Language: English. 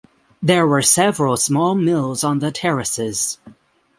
There were several small mills on the terraces.